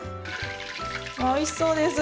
おいしそうです。